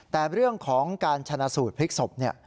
แต่เรื่องของการชนะสูตรพลิกศพ